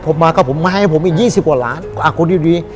ผมมาก็ให้ผมอีก๒๐กว่าล้านอ่ะคุณดี